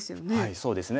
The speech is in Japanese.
そうですね。